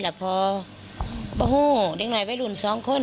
ฟะประสิทธิัน